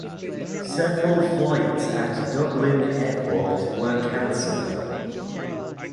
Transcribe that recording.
Several flights at Dublin Airport were cancelled.